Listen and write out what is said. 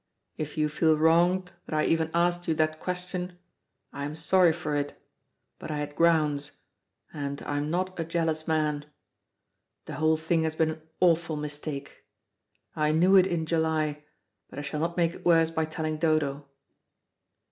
If you feel wronged that I even asked you that question, I am sorry for it, but I had grounds, and I am not a jealous man. The whole thing has been an awful mistake. I knew it in July, but I shall not make it worse by telling Dodo."